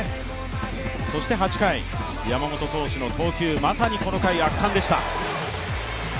８回、山本投手の投球、まさにこの回、圧巻でした。